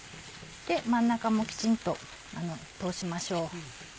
真ん中もきちんと通しましょう。